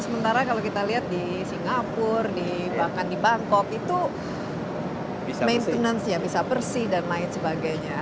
sementara kalau kita lihat di singapur di bahkan di bangkok itu maintenancenya bisa bersih dan lain sebagainya